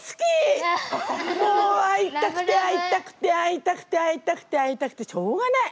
もう会いたくて会いたくて会いたくて会いたくて会いたくてしょうがない。